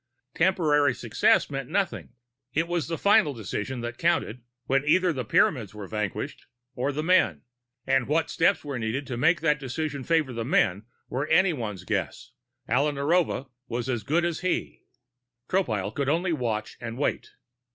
Temporary success meant nothing. It was the final decision that counted, when either the Pyramids were vanquished or the men, and what steps were needed to make that decision favor the men were anyone's guess Alla Narova's was as good as his. Tropile could only watch and wait.